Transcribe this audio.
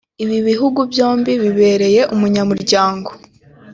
ibi bihugu byombi bibereye umunyamuryango